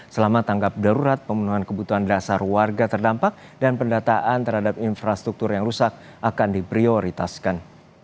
selama tanggap darurat pemenuhan kebutuhan dasar warga terdampak dan pendataan terhadap infrastruktur yang rusak akan diprioritaskan